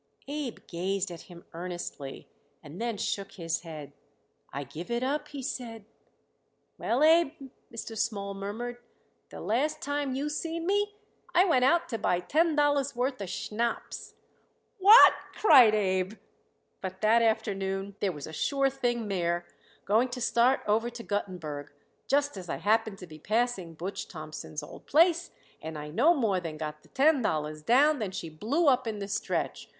Abe gazed at him earnestly and then shook his head. "I give it up," he said. "Well, Abe," Mr. Small murmured, "the last time you seen me I went out to buy ten dollars' worth of schnapps." "What!" Abe cried. "But that afternoon there was a sure thing mare going to start over to Guttenberg just as I happened to be passing Butch Thompson's old place, and I no more than got the ten dollars down than she blew up in the stretch.